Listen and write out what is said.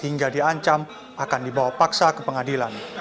hingga diancam akan dibawa paksa ke pengadilan